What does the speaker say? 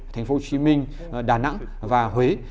tp hcm đà nẵng và huế